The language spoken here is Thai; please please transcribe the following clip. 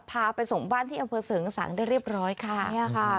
พาไปส่งบ้านที่อำเภอเสริงสังได้เรียบร้อยค่ะเนี่ยค่ะ